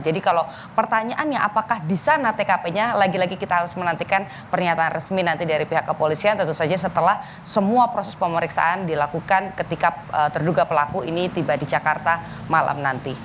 jadi kalau pertanyaannya apakah di sana tkp nya lagi lagi kita harus menantikan pernyataan resmi nanti dari pihak kepolisian tentu saja setelah semua proses pemeriksaan dilakukan ketika terduga pelaku ini tiba di jakarta malam nanti